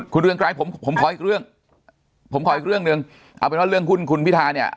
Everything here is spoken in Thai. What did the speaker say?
คุณเรืองไกรผมผมขออีกเรื่องผมขออีกเรื่องหนึ่งเอาเป็นว่าเรื่องหุ้นคุณพิธาเนี่ย